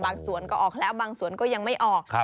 สวนก็ออกแล้วบางส่วนก็ยังไม่ออก